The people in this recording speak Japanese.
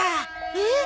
えっ？